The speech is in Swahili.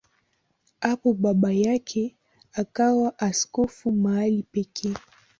Hapo baba yake akawa askofu mahali pake.